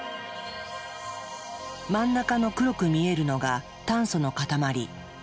真ん中の黒く見えるのが炭素の塊。